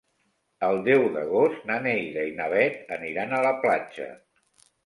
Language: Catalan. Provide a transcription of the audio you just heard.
El deu d'agost na Neida i na Bet aniran a la platja.